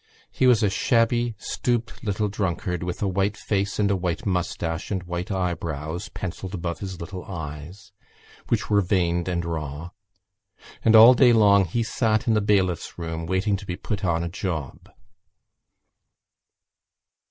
He was a shabby stooped little drunkard with a white face and a white moustache and white eyebrows, pencilled above his little eyes, which were pink veined and raw; and all day long he sat in the bailiff's room, waiting to be put on a job.